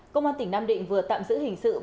công an tỉnh nam định vừa tạm giữ hình sự